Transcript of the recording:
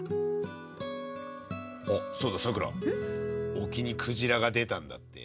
沖にクジラが出たんだってよ。